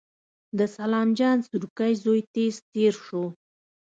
د سلام جان سورکی زوی تېز تېر شو.